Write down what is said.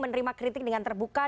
menerima kritik dengan terbuka